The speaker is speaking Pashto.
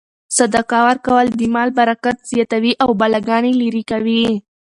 صدقه ورکول د مال برکت زیاتوي او بلاګانې لیرې کوي.